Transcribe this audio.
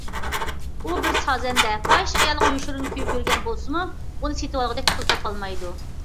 ئۇ بىر سازەندە پاھىشە ئايالغا يوشۇرۇن كۆيۈپ يۈرگەن بولسىمۇ، ئۇنى سېتىۋالغۇدەك پۇل تاپالمايدۇ.